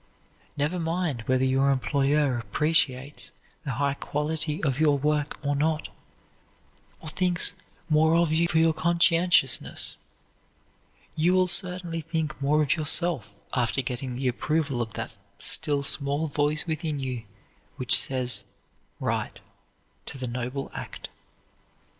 Never mind whether your employer appreciates the high quality of your work or not, or thinks more of you for your conscientiousness, you will certainly think more of yourself after getting the approval of that still small voice within you which says "right" to the noble act.